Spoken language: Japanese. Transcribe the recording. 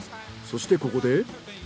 そしてここで。